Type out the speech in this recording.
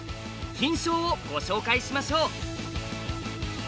「金将」をご紹介しましょう。